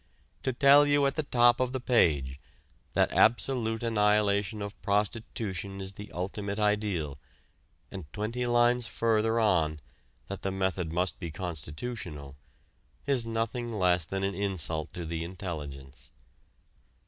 To tell you at the top of the page that absolute annihilation of prostitution is the ultimate ideal and twenty lines further on that the method must be constitutional is nothing less than an insult to the intelligence.